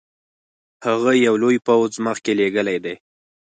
هغه یو لوی پوځ مخکي لېږلی دی.